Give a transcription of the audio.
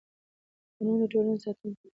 قانون د ټولنې ساتونکی دی